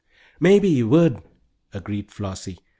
"Maybe you would," agreed Flossie.